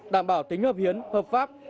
đảm bảo tính hợp hiến hợp pháp